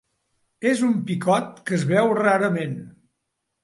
És un picot que es veu rarament.